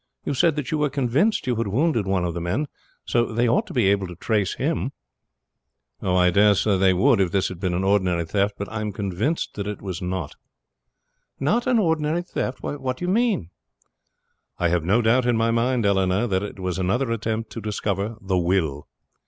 You said that you were convinced you had wounded one of the men; so they ought to be able to trace him." "I dare say they would if this had been an ordinary theft; but I am convinced that it was not." "Not an ordinary theft! What do you mean?" "I have no doubt in my mind, Eleanor, that it was another attempt to discover the will."